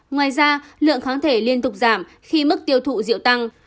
ngoài ra lượng kháng thể liên tục giảm khi mức tiêu thụ rượu tăng